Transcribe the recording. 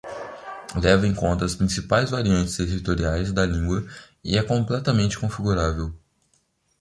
Leva em conta as principais variantes territoriais da língua e é completamente configurável.